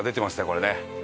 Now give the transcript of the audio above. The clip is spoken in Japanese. これね。